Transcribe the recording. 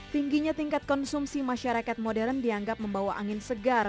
tingginya tingkat konsumsi masyarakat modern dianggap membawa angin segar